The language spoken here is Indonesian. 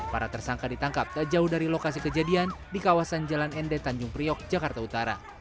para tersangka ditangkap tak jauh dari lokasi kejadian di kawasan jalan ende tanjung priok jakarta utara